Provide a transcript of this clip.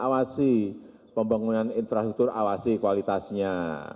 awasi pembangunan infrastruktur awasi kualitasnya